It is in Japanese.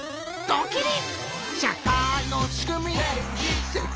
ドキリ！